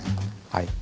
はい。